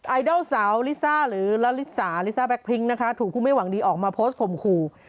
ไอดอลสาวลิซ่าหรือละลิสาลิซ่าแก๊พริ้งนะคะถูกคู่ไม่หวังดีออกมาโพสต์ข่มขู่